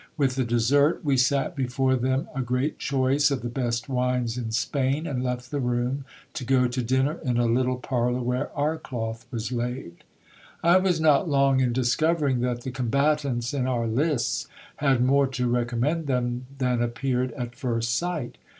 With the dessert, we sat before them a great choice of the best wines in Spain, and left the room, to go to dinner in a little parlour, where our cloth was laid. I was not long in discovering that the combatants in our lists had more to recommend them than appeared at first sight.